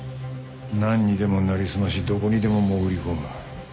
何にでも成りすましどこにでも潜り込む。